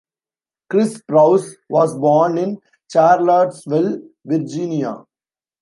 Chris Sprouse was born in Charlottesville, Virginia.